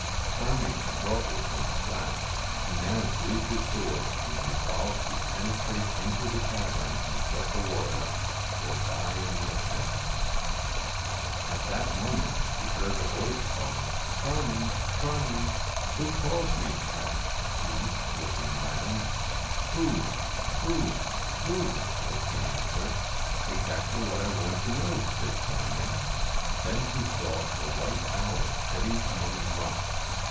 Charming had brought with him a flask : he now drew his sword and resolved to penetrate into the cavern and get the water, or die in the attempt. At that moment he heard a voice calling, 'Char ming! Charming!' * Who calls me ?' asked he, looking round. 1 Who ! who ! who !' was the answer. 1 Exactly what I want to know !' said Charming. Then he saw a white owl sitting among the rocks.